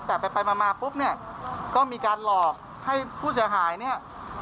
แต่ไปมาปุ๊บเนี่ยก็มีการหลอกให้ผู้เสียหายเนี่ย